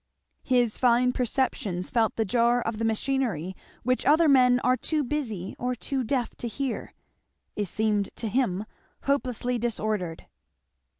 His fine perceptions felt the jar of the machinery which other men are too busy or too deaf to hear. It seemed to him hopelessly disordered.